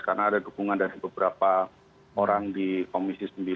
karena ada dukungan dari beberapa orang di komisi sembilan